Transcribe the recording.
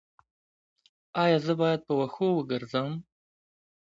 ایا زه باید په وښو وګرځم؟